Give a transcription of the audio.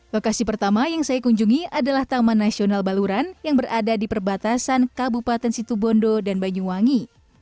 lokasi pertama yang saya kunjungi adalah taman nasional baluran yang berada di perbatasan kabupaten situbondo dan banyuwangi